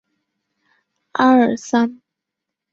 阿尔桑。